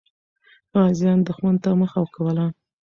غازیان دښمن ته مخه کوله.